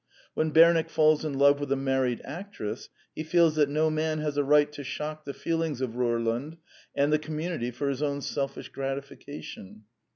When Bernick falls in love with a married actress, he feels that no man has a right to shock the feelings of Rorlund and the community for his own selfish gratifica tion.